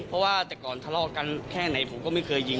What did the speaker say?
เพราะว่าแต่ก่อนทะเลาะกันแค่ไหนผมก็ไม่เคยยิง